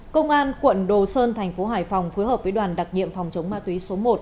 công an quận đồ sơn thành phố hải phòng phối hợp với đoàn đặc nhiệm phòng chống ma túy số một